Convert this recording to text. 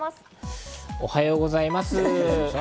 おはようございます。